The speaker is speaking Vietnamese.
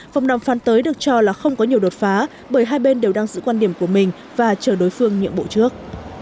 vòng đàm phán tới được cho là không có nhiều đột phá bởi hai bên đều đang giữ quan điểm của mình và chờ đối phương nhượng bộ trước